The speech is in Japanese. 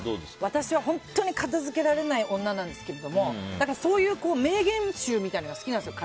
私は本当に片づけられない女なんですけどそういう名言集みたいなのが好きなんですよ。